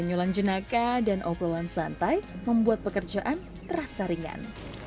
penyulan jenaka dan obrolan santai membuat pekerjaan terasa ringan